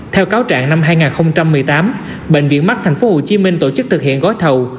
theo cáo trạng năm hai nghìn một mươi tám bệnh viện mắt tp hcm tổ chức thực hiện gói thầu